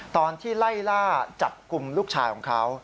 ตอนที่ไล่ล่าจับกลุ่มลูกชายของเขา